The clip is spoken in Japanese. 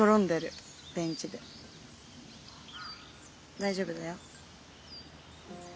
大丈夫だよ。